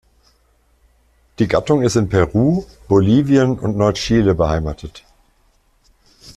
Die Gattung ist in Peru, Bolivien und Nord Chile beheimatet.